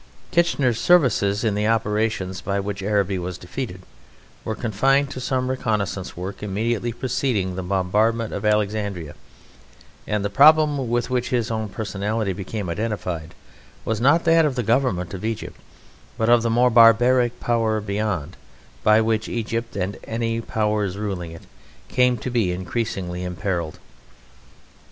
Kitchener's services in the operations by which Arabi was defeated were confined to some reconnaissance work immediately preceding the bombardment of Alexandria; and the problem with which his own personality became identified was not that of the Government of Egypt, but of the more barbaric power beyond, by which Egypt, and any powers ruling it, came to be increasingly imperilled.